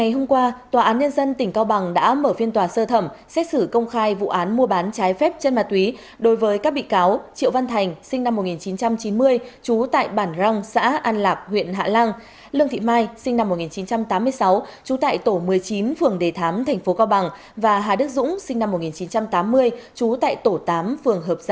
hãy đăng ký kênh để ủng hộ kênh của chúng mình nhé